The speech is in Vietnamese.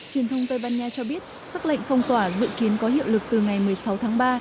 truyền thông tây ban nha cho biết xác lệnh phong tỏa dự kiến có hiệu lực từ ngày một mươi sáu tháng ba